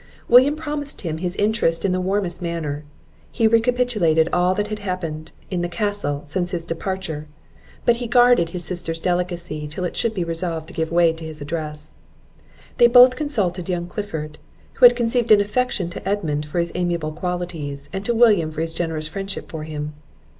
William promised him his interest in the warmest manner; he recapitulated all that had passed in the castle since his departure; but he guarded his sister's delicacy, till it should be resolved to give way to his address. They both consulted young Clifford, who had conceived an affection to Edmund for his amiable qualities, and to William for his generous friendship for him.